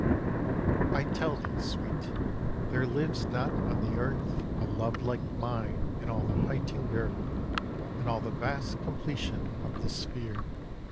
I tell thee Sweet! there lives not on the earth A love like mine in all the height and girth And all the vast completion of the sphere.